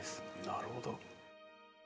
なるほど。